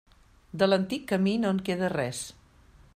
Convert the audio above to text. De l'antic camí no en queda res.